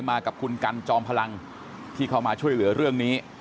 มากับคุณกันจอมพลังที่เข้ามาช่วยเหลือเรื่องนี้